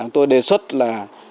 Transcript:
tôi đề xuất là